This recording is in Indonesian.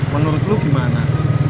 menurut lu gimana